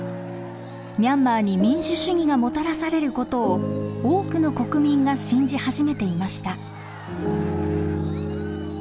ミャンマーに民主主義がもたらされることを多くの国民が信じ始めていました。